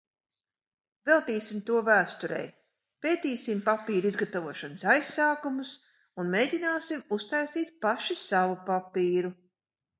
Veltīsim to vēsturei. Pētīsim papīra izgatavošanas aizsākumus un mēģināsim uztaisīt paši savu papīru.